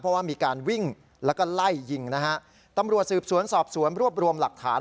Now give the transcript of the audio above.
เพราะว่ามีการวิ่งแล้วก็ไล่ยิงนะฮะตำรวจสืบสวนสอบสวนรวบรวมหลักฐาน